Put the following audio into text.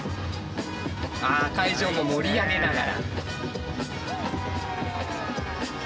あ会場も盛り上げながら。